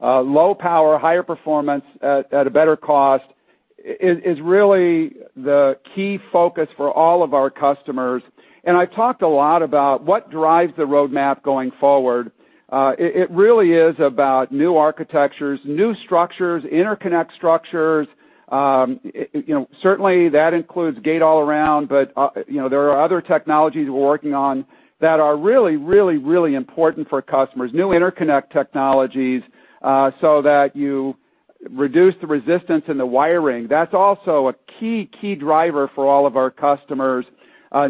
C: low power, higher performance at a better cost is really the key focus for all of our customers. I talked a lot about what drives the roadmap going forward. It really is about new architectures, new structures, interconnect structures. Certainly, that includes gate-all-around, there are other technologies we're working on. That are really important for customers. New interconnect technologies, you reduce the resistance in the wiring. That's also a key driver for all of our customers.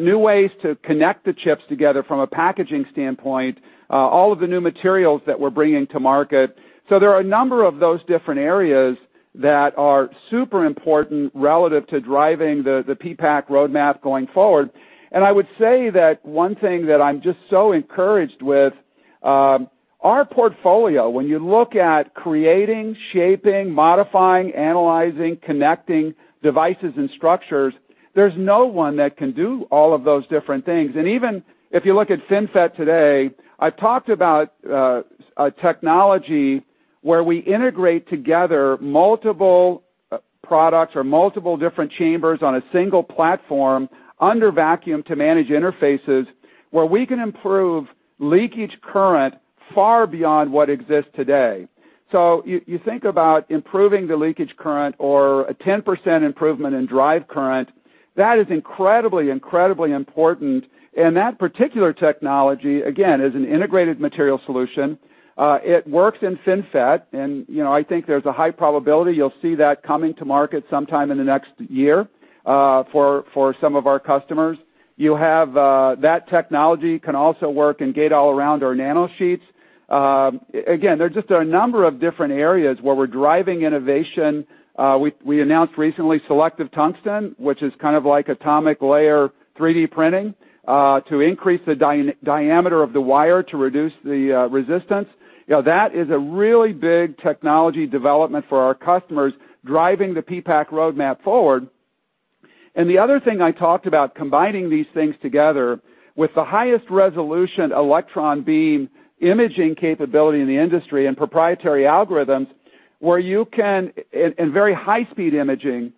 C: New ways to connect the chips together from a packaging standpoint, all of the new materials that we're bringing to market. There are a number of those different areas that are super important relative to driving the PPAC roadmap going forward. I would say that one thing that I'm just so encouraged with, our portfolio, when you look at creating, shaping, modifying, analyzing, connecting devices and structures, there's no one that can do all of those different things. Even if you look at FinFET today, I talked about a technology where we integrate together multiple products or multiple different chambers on a single platform under vacuum to manage interfaces where we can improve leakage current far beyond what exists today. You think about improving the leakage current or a 10% improvement in drive current. That is incredibly important. That particular technology, again, is an Integrated Materials Solution. It works in FinFET, and I think there's a high probability you'll see that coming to market sometime in the next year for some of our customers. That technology can also work in gate-all-around or nanosheets. Again, there just are a number of different areas where we're driving innovation. We announced recently selective tungsten, which is kind of like atomic layer 3D printing, to increase the diameter of the wire to reduce the resistance. That is a really big technology development for our customers driving the PPAC roadmap forward. The other thing I talked about, combining these things together with the highest resolution electron beam imaging capability in the industry and proprietary algorithms, and very high-speed imaging.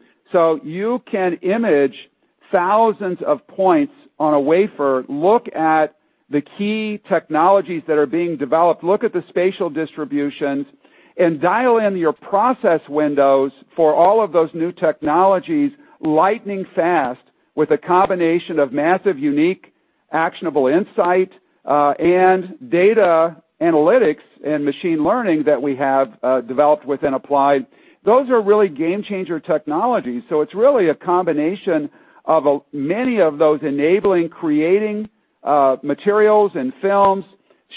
C: You can image thousands of points on a wafer, look at the key technologies that are being developed, look at the spatial distributions, and dial in your process windows for all of those new technologies lightning fast with a combination of massive, unique, actionable insight, and data analytics and machine learning that we have developed within Applied. Those are really game-changer technologies. It's really a combination of many of those enabling, creating materials and films,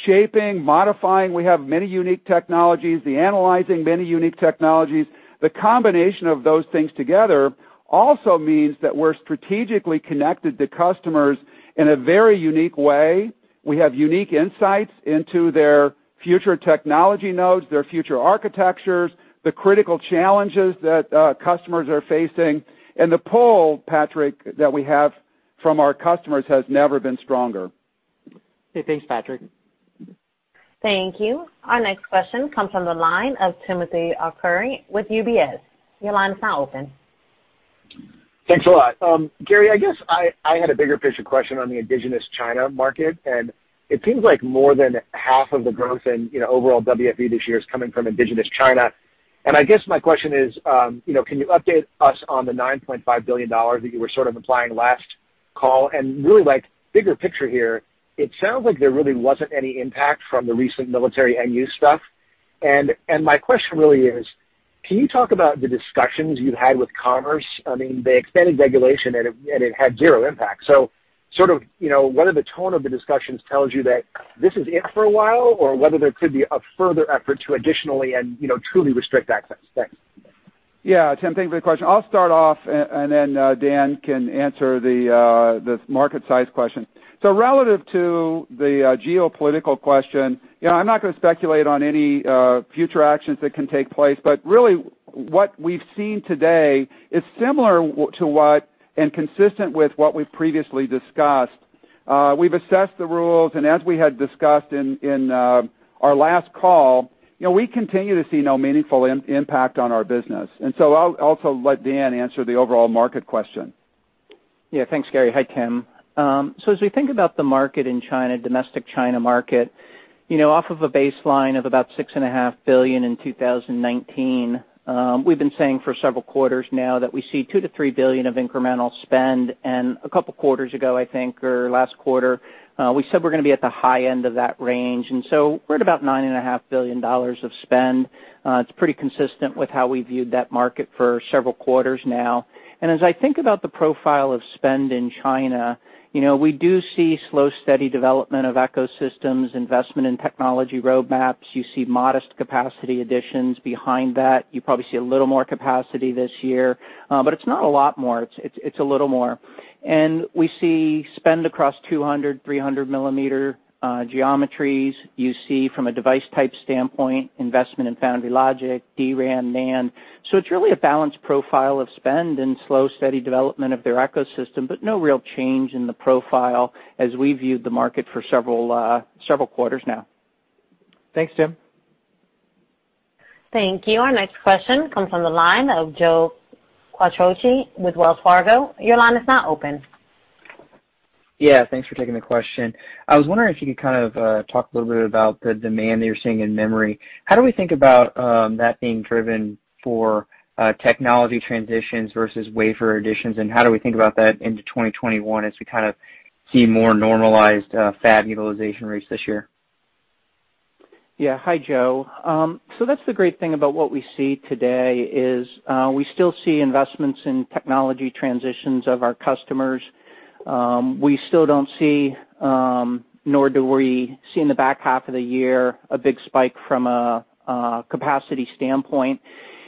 C: shaping, modifying. We have many unique technologies, the analyzing many unique technologies. The combination of those things together also means that we're strategically connected to customers in a very unique way. We have unique insights into their future technology nodes, their future architectures, the critical challenges that customers are facing. The pull, Patrick, that we have from our customers has never been stronger.
B: Okay, thanks, Patrick.
A: Thank you. Our next question comes from the line of Timothy Arcuri with UBS. Your line is now open.
K: Thanks a lot. Gary, I guess I had a bigger picture question on the indigenous China market. It seems like more than half of the growth in overall WFE this year is coming from indigenous China. I guess my question is, can you update us on the $9.5 billion that you were sort of implying last call? Really bigger picture here, it sounds like there really wasn't any impact from the recent military end-use stuff. My question really is: Can you talk about the discussions you had with Commerce? I mean, they extended regulation, it had zero impact. Whether the tone of the discussions tells you that this is it for a while, or whether there could be a further effort to additionally and truly restrict access. Thanks.
C: Yeah, Tim, thank you for the question. I'll start off, and then Dan can answer the market size question. Relative to the geopolitical question, I'm not going to speculate on any future actions that can take place, but really what we've seen today is similar to what and consistent with what we've previously discussed. We've assessed the rules, and as we had discussed in our last call, we continue to see no meaningful impact on our business. I'll also let Dan answer the overall market question.
D: Yeah, thanks, Gary. Hi, Tim. As we think about the market in China, domestic China market, off of a baseline of about $6.5 billion in 2019, we've been saying for several quarters now that we see $2 billion-$3 billion of incremental spend, and a couple of quarters ago, I think, or last quarter, we said we're going to be at the high end of that range. We're at about $9.5 billion of spend. It's pretty consistent with how we viewed that market for several quarters now. As I think about the profile of spend in China, we do see slow, steady development of ecosystems, investment in technology roadmaps. You see modest capacity additions behind that. You probably see a little more capacity this year, but it's not a lot more. It's a little more. We see spend across 200 mm, 300 mm geometries. You see from a device type standpoint, investment in foundry logic, DRAM, NAND. It's really a balanced profile of spend and slow, steady development of their ecosystem, but no real change in the profile as we viewed the market for several quarters now.
B: Thanks, Tim.
A: Thank you. Our next question comes from the line of Joe Quatrochi with Wells Fargo. Your line is now open.
L: Yeah, thanks for taking the question. I was wondering if you could kind of talk a little bit about the demand that you're seeing in memory. How do we think about that being driven for technology transitions versus wafer additions, and how do we think about that into 2021 as we kind of see more normalized fab utilization rates this year?
D: Hi, Joe. That's the great thing about what we see today is, we still see investments in technology transitions of our customers. We still don't see, nor do we see in the back half of the year, a big spike from a capacity standpoint.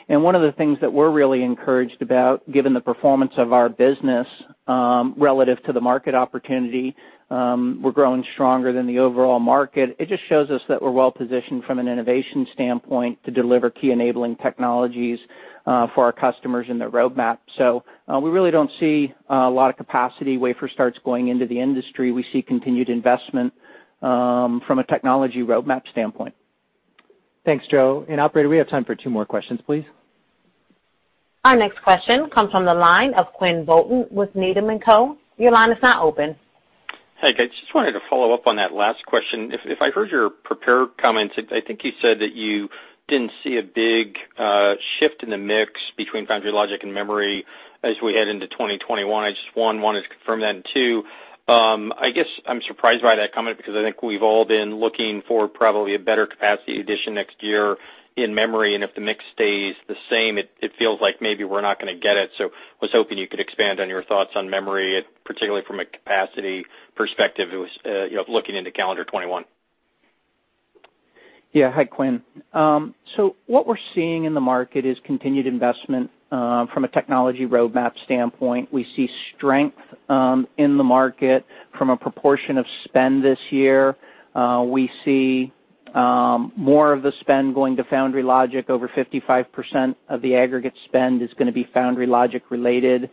D: One of the things that we're really encouraged about, given the performance of our business relative to the market opportunity, we're growing stronger than the overall market. It just shows us that we're well-positioned from an innovation standpoint to deliver key enabling technologies for our customers in their roadmap. We really don't see a lot of capacity wafer starts going into the industry. We see continued investment from a technology roadmap standpoint.
B: Thanks, Joe, and operator, we have time for two more questions, please.
A: Our next question comes from the line of Quinn Bolton with Needham & Company. Your line is now open.
M: Hey, guys. Just wanted to follow up on that last question. If I heard your prepared comments, I think you said that you didn't see a big shift in the mix between foundry logic and memory as we head into 2021. I just, one, wanted to confirm that, and two, I guess I'm surprised by that comment because I think we've all been looking for probably a better capacity addition next year in memory, and if the mix stays the same, it feels like maybe we're not going to get it. I was hoping you could expand on your thoughts on memory, particularly from a capacity perspective, looking into calendar 2021.
D: Yeah. Hi, Quinn. What we're seeing in the market is continued investment from a technology roadmap standpoint. We see strength in the market from a proportion of spend this year. We see more of the spend going to foundry logic. Over 55% of the aggregate spend is going to be foundry logic related.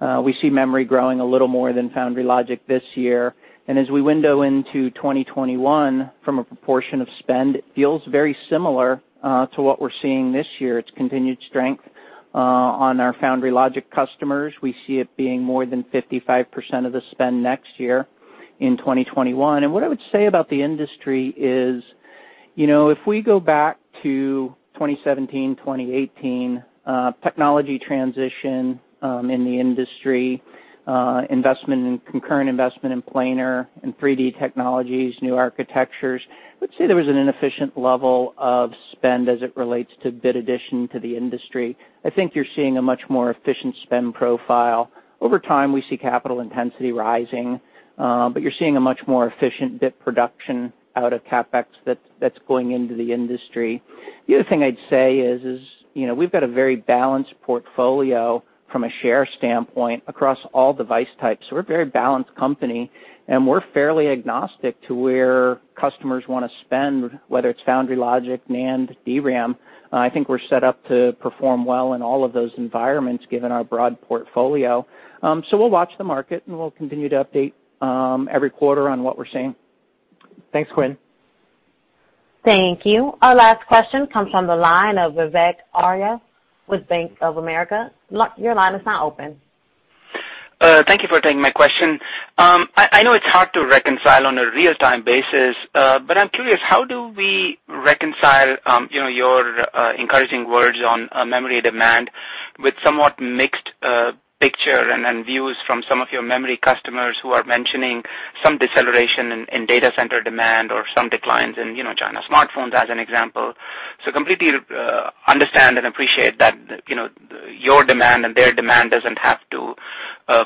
D: We see memory growing a little more than foundry logic this year. As we window into 2021 from a proportion of spend, it feels very similar to what we're seeing this year. It's continued strength on our foundry logic customers. We see it being more than 55% of the spend next year in 2021. What I would say about the industry is, if we go back to 2017, 2018, technology transition in the industry, concurrent investment in planar and 3D technologies, new architectures, I would say there was an inefficient level of spend as it relates to bit addition to the industry. I think you're seeing a much more efficient spend profile. Over time, we see capital intensity rising, but you're seeing a much more efficient bit production out of CapEx that's going into the industry. The other thing I'd say is we've got a very balanced portfolio from a share standpoint across all device types. We're a very balanced company, we're fairly agnostic to where customers want to spend, whether it's foundry logic, NAND, DRAM. I think we're set up to perform well in all of those environments, given our broad portfolio. We'll watch the market, and we'll continue to update every quarter on what we're seeing.
B: Thanks, Quinn.
A: Thank you. Our last question comes from the line of Vivek Arya with Bank of America. Your line is now open.
N: Thank you for taking my question. I know it's hard to reconcile on a real-time basis. I'm curious, how do we reconcile your encouraging words on memory demand with somewhat mixed picture and views from some of your memory customers who are mentioning some deceleration in data center demand or some declines in China smartphones, as an example? Completely understand and appreciate that your demand and their demand doesn't have to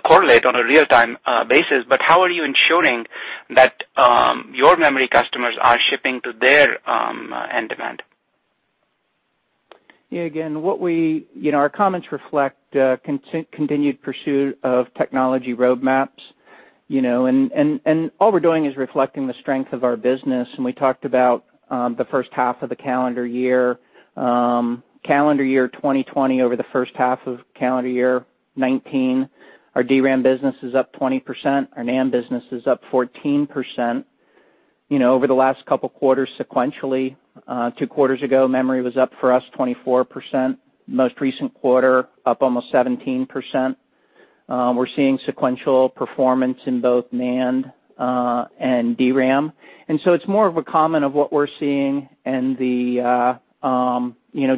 N: correlate on a real-time basis. How are you ensuring that your memory customers are shipping to their end demand?
D: Again, our comments reflect continued pursuit of technology roadmaps, and all we're doing is reflecting the strength of our business, and we talked about the first half of the calendar year. Calendar year 2020 over the first half of calendar year 2019, our DRAM business is up 20%, our NAND business is up 14%. Over the last couple of quarters sequentially, two quarters ago, memory was up for us 24%. Most recent quarter, up almost 17%. We're seeing sequential performance in both NAND and DRAM. It's more of a comment of what we're seeing and the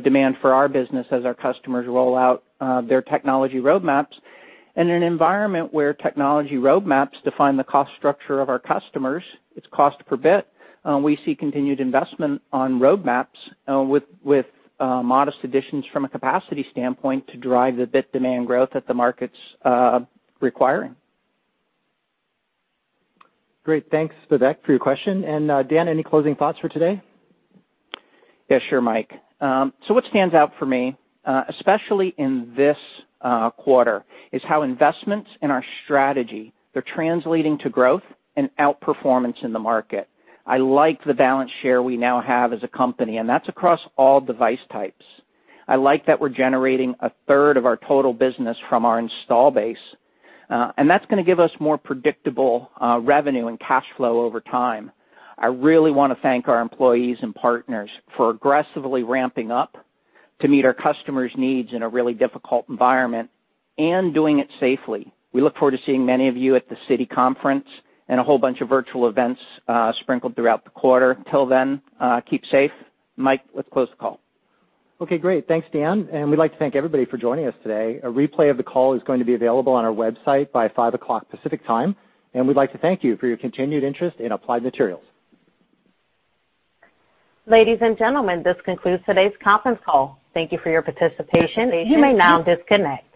D: demand for our business as our customers roll out their technology roadmaps. In an environment where technology roadmaps define the cost structure of our customers, its cost per bit, we see continued investment on roadmaps with modest additions from a capacity standpoint to drive the bit demand growth that the market's requiring.
B: Great. Thanks, Vivek, for your question. Dan, any closing thoughts for today?
D: Yeah, sure, Mike. What stands out for me, especially in this quarter, is how investments in our strategy, they're translating to growth and outperformance in the market. I like the balance share we now have as a company, that's across all device types. I like that we're generating a third of our total business from our install base, that's going to give us more predictable revenue and cash flow over time. I really want to thank our employees and partners for aggressively ramping up to meet our customers' needs in a really difficult environment and doing it safely. We look forward to seeing many of you at the Citi conference and a whole bunch of virtual events sprinkled throughout the quarter. Until then, keep safe. Mike, let's close the call.
B: Okay, great. Thanks, Dan, and we'd like to thank everybody for joining us today. A replay of the call is going to be available on our website by 5:00 P.M. Pacific Time, and we'd like to thank you for your continued interest in Applied Materials.
A: Ladies and gentlemen, this concludes today's conference call. Thank you for your participation. You may now disconnect.